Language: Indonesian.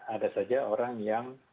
ada saja orang yang